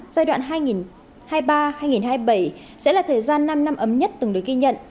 giai đoạn hai nghìn hai mươi ba hai nghìn hai mươi bảy sẽ là thời gian năm năm ấm nhất từng được ghi nhận